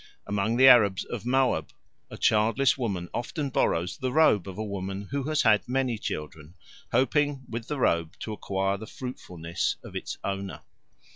Among the Arabs of Moab a childless woman often borrows the robe of a woman who has had many children, hoping with the robe to acquire the fruitfulness of its owner.